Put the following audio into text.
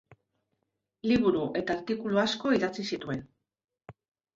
Liburu eta artikulu asko idatzi zituen.